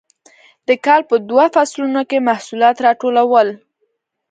د کال په دوو فصلونو کې محصولات راټولول.